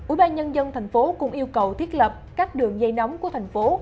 ủy ban nhân dân thành phố cũng yêu cầu thiết lập các đường dây nóng của thành phố